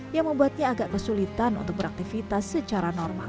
yang membuatnya agak kesulitan untuk beraktivitas secara normal